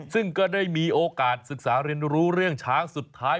ซึ่งก็ได้มีโอกาสศึกษาเรียนรู้เรื่องช้างสุดท้าย